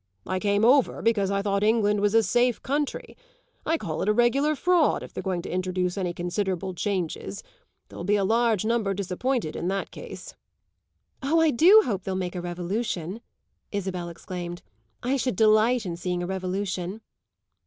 "I came over because I thought England was a safe country. I call it a regular fraud if they are going to introduce any considerable changes; there'll be a large number disappointed in that case." "Oh, I do hope they'll make a revolution!" Isabel exclaimed. "I should delight in seeing a revolution."